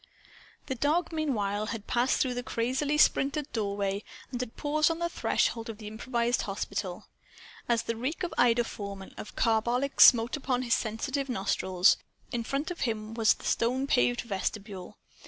The dog, meanwhile, had passed through the crazily splintered doorway and had paused on the threshold of the improvised hospital, as the reek of iodoform and of carbolic smote upon his sensitive nostrils. In front of him was the stone paved vestibule.